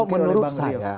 kalau menurut saya